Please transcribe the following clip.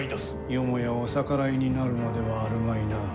よもやお逆らいになるのではあるまいな？